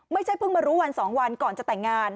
เพิ่งมารู้วัน๒วันก่อนจะแต่งงาน